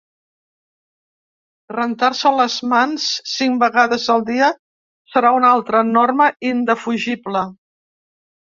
Rentar-se les mans cinc vegades al dia serà una altra norma indefugible.